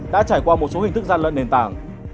đã trải qua một số hình thức gian lận nền tảng